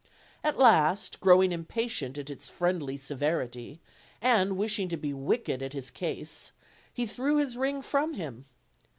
At last, growing impatient at its friendly severity, and wishing to be wicked at his ease, he threw his ring from him.